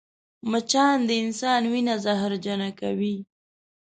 مچان د انسان وینه زهرجنه کوي